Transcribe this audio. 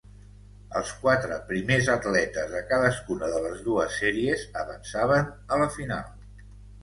Els quatre primers atletes de cadascuna de les dues sèries avançaven a la final.